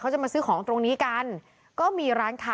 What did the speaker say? และก็คือว่าถึงแม้วันนี้จะพบรอยเท้าเสียแป้งจริงไหม